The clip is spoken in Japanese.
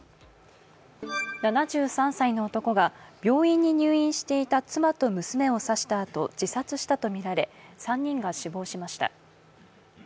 ７３歳の男が病院に入院していた妻と娘を刺したあと自殺したとみられ３人が死亡しました。